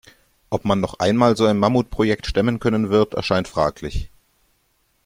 Ob man noch einmal so ein Mammutprojekt stemmen können wird, erscheint fraglich.